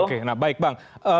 oke baik bang